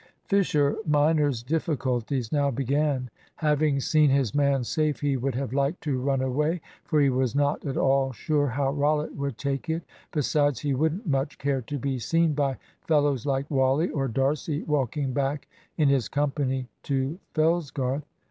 Fisher minor's difficulties now began. Having seen his man safe he would have liked to run away; for he was not at all sure how Rollitt would take it. Besides, he wouldn't much care to be seen by fellows like Wally or D'Arcy walking back in his company to Fellsgarth.